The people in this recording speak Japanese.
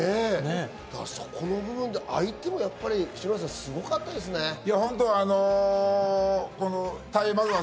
そこの部分で相手もやっぱりすごかったですね、篠原さん。